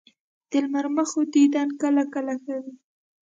د لمر مخو دیدن کله کله ښه وي